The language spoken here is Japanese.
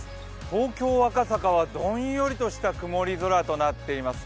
東京・赤坂はどんよりとした曇り空となっています。